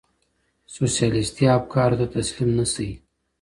سوسياليستي افکارو ته تسليم نه سئ.